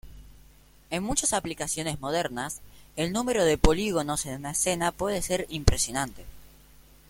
En muchas aplicaciones modernas, el número de polígonos en una escena puede ser impresionante.